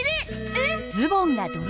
えっ？